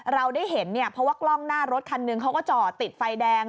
เราได้เห็นเนี่ยเพราะว่ากล้องหน้ารถคันหนึ่งเขาก็จอดติดไฟแดง